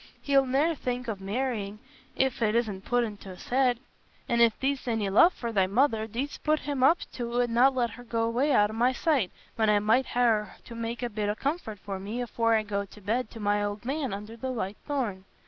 He'll ne'er think o' marrying if it isna put into's head, an' if thee'dst any love for thy mother, thee'dst put him up to't an' not let her go away out o' my sight, when I might ha' her to make a bit o' comfort for me afore I go to bed to my old man under the white thorn."